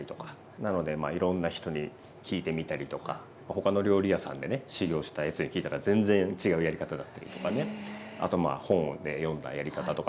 なのでいろんな人に聞いてみたりとか他の料理屋さんでね修業したやつに聞いたら全然違うやり方だったりとかね。あとまあ本で読んだやり方とか。